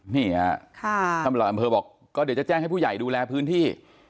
นี่ฮะท่านประหลัดอำเภอบอกก็เดี๋ยวจะแจ้งให้ผู้ใหญ่ดูแลพื้นที่